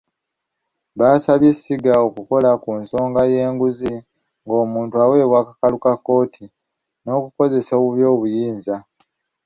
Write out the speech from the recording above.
Baasabye essiga okukola ku nsonga y'enguzi ng'omuntu aweebwa akakalu ka kkooti, n'okukozesa obubi obuyinza.